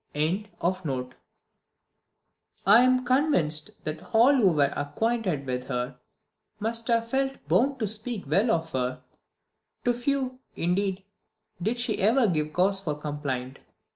"] I am convinced that all who were acquainted with her must have felt bound to speak well of her; to few, indeed, did she ever give cause for complaint.